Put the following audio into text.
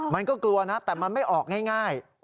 มันก็กลัวนะแต่มันไม่ออกง่าย